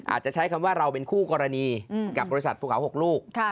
ใช้คำว่าเราเป็นคู่กรณีกับบริษัทภูเขา๖ลูก